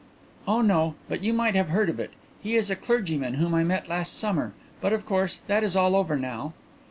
"Oh no, but you might have heard of it. He is a clergyman whom I met last summer. But, of course, that is all over now."